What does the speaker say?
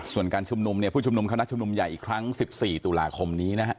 ส่วนการชุมนุมเนี่ยผู้ชุมนุมคณะชุมนุมใหญ่อีกครั้ง๑๔ตุลาคมนี้นะฮะ